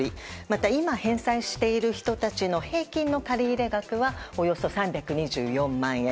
また、今返済している人たちの平均の借り入れ額はおよそ３２４万円。